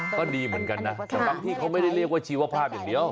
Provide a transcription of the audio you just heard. ก็ดีเหมือนกันนะแต่บางที่เขาไม่ได้เรียกว่าชีวภาพอย่างเดียว